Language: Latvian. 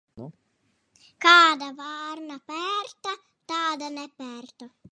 Kāda vārna pērta, tāda nepērta.